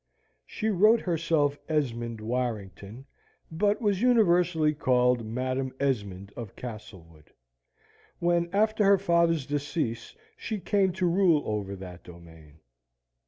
She wrote herself Esmond Warrington, but was universally called Madam Esmond of Castlewood, when after her father's decease she came to rule over that domain.